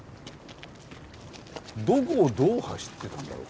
どこをどう走ってたんだろう？